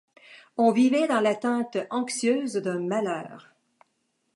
On vivait dans l'attente anxieuse d'un malheur.